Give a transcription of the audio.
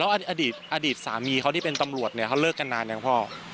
อดีตอดีตสามีเขาที่เป็นตำรวจเนี่ยเขาเลิกกันนานยังพ่อ